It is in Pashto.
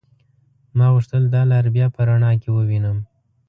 ما غوښتل دا لار بيا په رڼا کې ووينم.